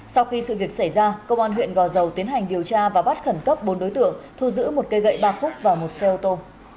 sau khi sự việc xảy ra công an huyện gò dầu tiến hành điều tra và bắt khẩn cấp bốn đối tượng thu giữ một cây gậy ba khúc và một xe ô tô